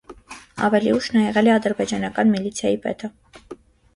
Ավելի ուշ նա եղել է ադրբեջանական միլիցիայի պետը։